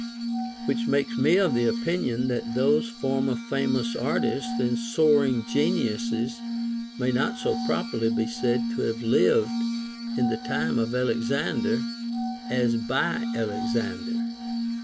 AVhich makes me of opinion that those former famous artists and soaring geniuses may not so properly be said to have lived in the time of Alexander as by Alexander.